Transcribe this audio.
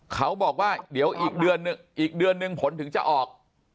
เขาบอกว่าเดี๋ยวอีกเดือนหนึ่งอีกเดือนหนึ่งผลถึงจะออก